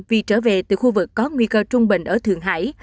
vì trở về từ khu vực có nguy cơ trung bình ở thượng hải